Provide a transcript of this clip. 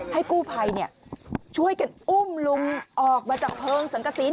ให้กู้ภัยช่วยกันอุ้มลุงออกมาจากเพลิงสังกษี